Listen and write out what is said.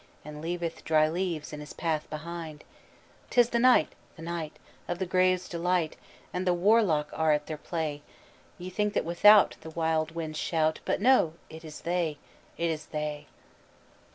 And leaveth dry leaves in his path behind. "'Tis the night the night Of the graves' delight, And the warlock are at their play! Ye think that without The wild winds shout, But no, it is they it is they!"